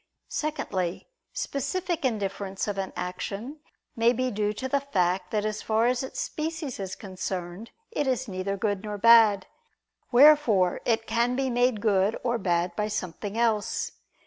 Secondly, specific indifference of an action may be due to the fact that as far as its species is concerned, it is neither good nor bad. Wherefore it can be made good or bad by something else.